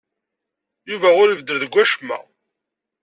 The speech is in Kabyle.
Yuba ur ibeddel deg wacemma.